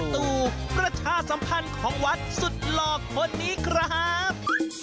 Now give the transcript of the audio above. ตู่ประชาสัมพันธ์ของวัดสุดหลอกคนนี้ครับ